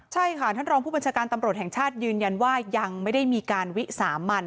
ใช่ค่ะท่านรองผู้บัญชาการตำรวจแห่งชาติยืนยันว่ายังไม่ได้มีการวิสามัน